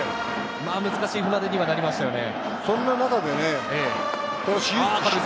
難しい船出にはなりましたね。